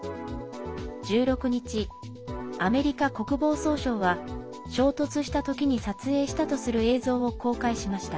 １６日、アメリカ国防総省は衝突した時に撮影したとする映像を公開しました。